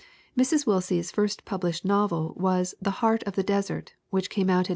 Mrs. Willsie's first published novel was The Heart of the Desert, which came out in 1913.